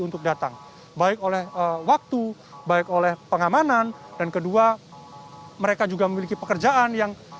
untuk datang baik oleh waktu baik oleh pengamanan dan kedua mereka juga memiliki pekerjaan yang